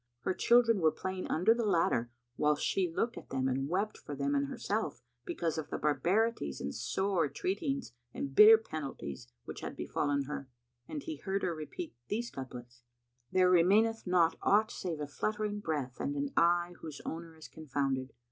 Her children were playing under the ladder, whilst she looked at them and wept for them and herself, because of the barbarities and sore treatings and bitter penalties which had befallen her; and he heard her repeat these couplets[FN#166], "There remaineth not aught save a fluttering breath and an eye whose owner is confounded.